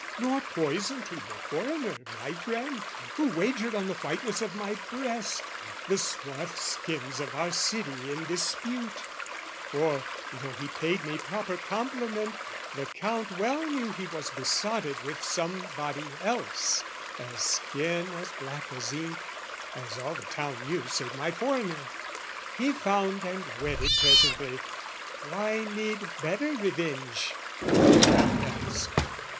"Nor poisoned he the foreigner, my friend, "Who wagered on the whiteness of my breast, "The swarth skins of our city in dispute: "For, though he paid me proper compliment, "The Count well knew he was besotted with "Somebody else, a skin as black as ink, "(As all the town knew save my foreigner) "He found and wedded presently, 'Why need "'Better revenge?' the Count asked.